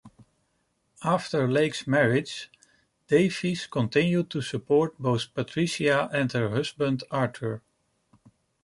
After Lake's marriage, Davies continued to support both Patricia and her husband Arthur.